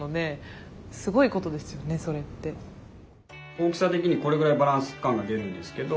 大きさ的にこれぐらいバランス感が出るんですけど。